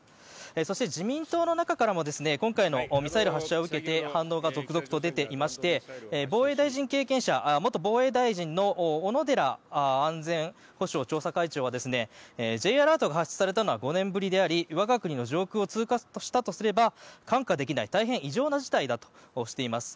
そして、自民党の中からも今回のミサイル発射を受けて反応が続々と出ていまして防衛大臣経験者、元防衛大臣の小野寺安全保障調査会長はＪアラートが発出されたのは５年ぶりであり我が国の上空を通過したとすれば看過できない大変異常な事態だとしています。